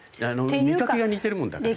見かけが似てるもんだから。